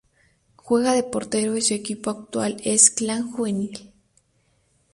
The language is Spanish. Juega de portero y su equipo actual es Clan Juvenil.